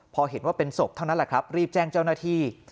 พอเห็นว่าเป็นศพเท่านั้นแหละครับรีบแจ้งเจ้าหน้าที่